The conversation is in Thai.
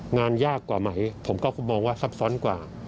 งานยากกว่าไหมผมก็มองว่าซับซ้อนกว่า